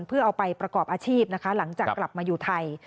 เพื่อเอาไปประกอบอาชีพนะคะหลังจากกลับมาอยู่ไทย